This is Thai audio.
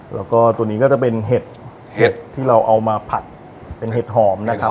แล้วก็ตัวนี้ก็จะเป็นเห็ดเห็ดที่เราเอามาผัดเป็นเห็ดหอมนะครับ